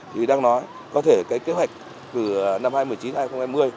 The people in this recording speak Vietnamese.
thì đang nói có thể cái kế hoạch từ năm hai nghìn một mươi chín hai nghìn hai mươi